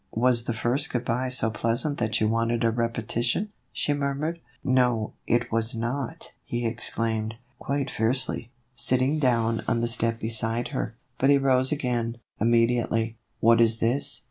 "Was the first good by so pleasant that you wanted a repetition ?" she murmured. " No, it was not," he exclaimed, quite fiercely, sit THE EVOLUTION OF A BONNET. 143 ting down on the step beside her, but he rose again, immediately. " What is this